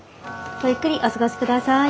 ごゆっくりお過ごしください。